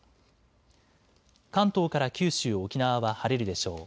関東から九州、沖縄は晴れるでしょう。